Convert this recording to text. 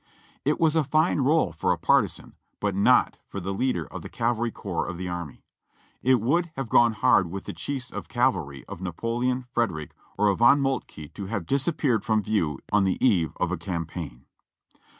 It was a fine role for a partisan, but not for the leader of the cavalry corps of the army. It would have gone hard with the chiefs of cavalry of Napoleon, Frederick, or a Von ]\loltke to have disappeared from view on the eve of a campaign.